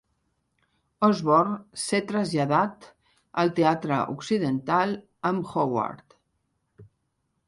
Osborn ser traslladat al teatre occidental amb Howard.